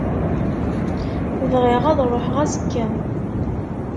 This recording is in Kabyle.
Bɣiɣ ad ṛuḥeɣ azekka.